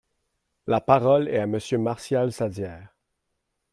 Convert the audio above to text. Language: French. La parole est à Monsieur Martial Saddier.